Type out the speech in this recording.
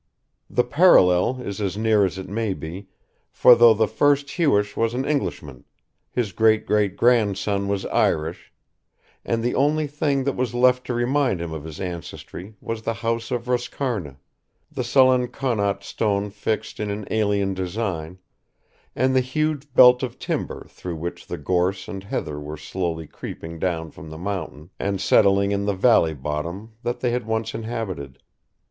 The parallel is as near as it may be, for though the first Hewish was an Englishman, his great great grandson was Irish, and the only thing that was left to remind him of his ancestry was the house of Roscarna, the sullen Connaught stone fixed in an alien design, and the huge belt of timber through which the gorse and heather were slowly creeping down from the mountain and settling in the valley bottom that they had once inhabited.